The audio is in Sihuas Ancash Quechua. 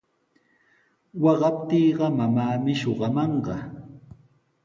Waqaptiiqa mamaami shuqamanqa.